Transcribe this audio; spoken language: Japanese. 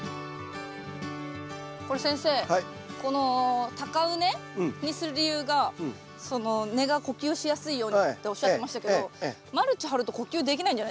これ先生この高畝にする理由が根が呼吸しやすいようにっておっしゃってましたけどマルチ張ると呼吸できないんじゃないですか？